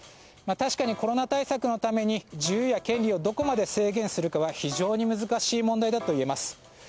確かにコロナ対策のために自由や権利をどこまで制限するかは非常に難しい問題だといえます。